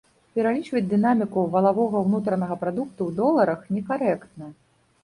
Пералічваць дынаміку валавога ўнутранага прадукту ў доларах некарэктна.